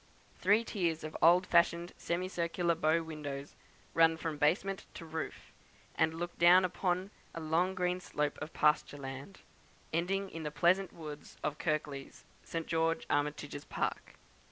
Three tiers of old fashioned semicircular bow windows run from basement to roof; and look down upon a long green slope of pasture land, ending in the pleasant woods of Kirklees, Sir George Armitage's park.